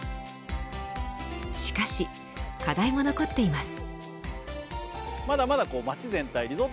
しかし、課題も残っています。